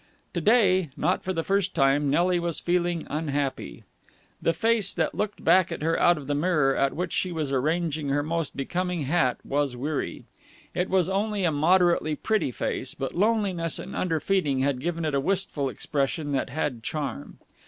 To day, not for the first time, Nelly was feeling unhappy. The face that looked back at her out of the mirror at which she was arranging her most becoming hat was weary. It was only a moderately pretty face, but loneliness and underfeeding had given it a wistful expression that had charm.